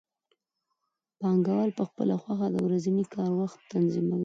پانګوال په خپله خوښه د ورځني کار وخت تنظیموي